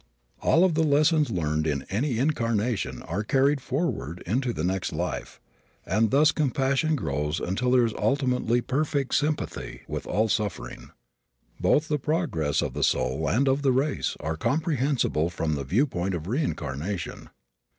All of the lessons learned in any incarnation are carried forward into the next life, and thus compassion grows until there is ultimately perfect sympathy with all suffering. Both the progress of the soul and of the race are comprehensible from the viewpoint of reincarnation.